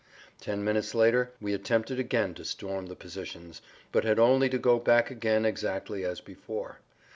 Ten minutes later we attempted again to storm the positions, but had only to go back again exactly as before.